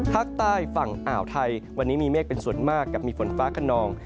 ภาคใต้ฝั่งอ่าวไทยวันนี้มีเมฆเป็นส่วนมากกับมีฝนฟ้าขนอง